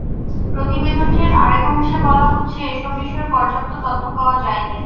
প্রতিবেদনটির আরেক অংশে বলা হচ্ছে, এসব বিষয়ে পর্যাপ্ত তথ্য পাওয়া যায়নি।